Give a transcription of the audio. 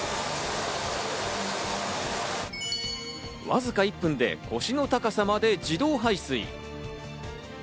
わずか１分で腰の高さまで自動排水。